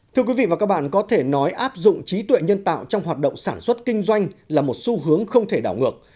thưa quý vị và các bạn có thể nói áp dụng trí tuệ nhân tạo trong hoạt động sản xuất kinh doanh là một xu hướng không thể đảo ngược